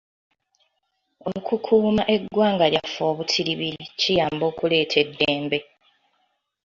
Okukuuma eggwanga lyaffe obutiribiri kiyamba okuleeta eddembe.